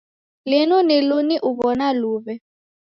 Linu ni linu uw'ona luw'e.